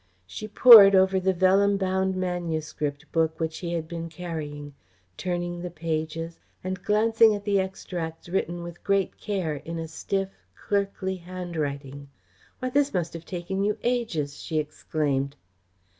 She pored over the vellum bound manuscript book which he had been carrying, turning the pages, and glancing at the extracts written with great care in a stiff, clerkly handwriting. "Why, this must have taken you ages," she exclaimed.